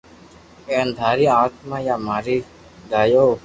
ھين ٿاري آتماني ڀآ ماري دآيو